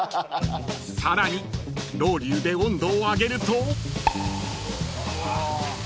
［さらにロウリュウで温度を上げると］